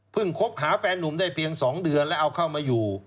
คบหาแฟนนุ่มได้เพียง๒เดือนแล้วเอาเข้ามาอยู่